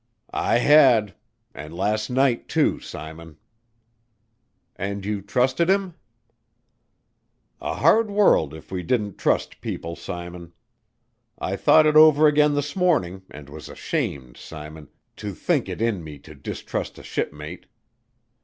"I had. And last night, too, Simon." "And you trusted him?" "A hard world if we didn't trust people, Simon. I thought it over again this morning and was ashamed, Simon, to think it in me to distrust a shipmate.